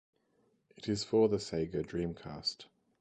It is for the Sega Dreamcast.